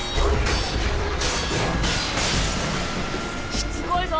しつこいぞ。